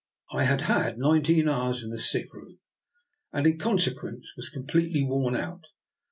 . I had had nineteen hours in the sick room, and in consequence was com pletely worn out.